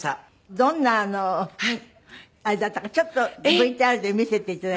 どんなあれだったかちょっとＶＴＲで見せて頂いていいですか？